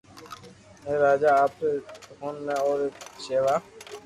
ھين راجا آپري دوھن ۾ اوري ݾيوا